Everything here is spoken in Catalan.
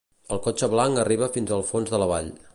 El cotxe blanc arriba ara al fons de la vall.